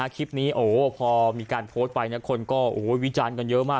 คลิปนี้พอมีการโพสต์ไปนะคนก็วิจารณ์กันเยอะมาก